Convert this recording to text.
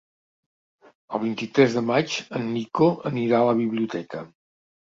El vint-i-tres de maig en Nico anirà a la biblioteca.